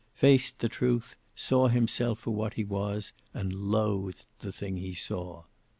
Faced the truth, saw himself for what he was, and loathed the thing he saw.